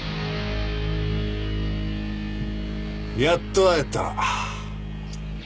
やっと会えた。